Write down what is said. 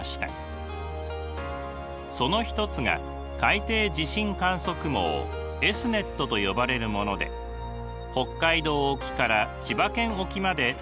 その一つが海底地震観測網Ｓ−ｎｅｔと呼ばれるもので北海道沖から千葉県沖まで設置されています。